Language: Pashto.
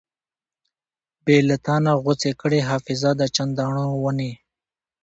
بې لتانۀ غوڅې کړې حافظه د چندڼو ونې